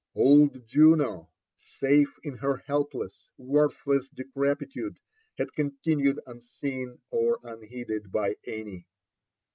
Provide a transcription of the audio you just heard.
Old Juno, safe in her helpless, worthless decrepitude, had continued unseen or unheeded by any.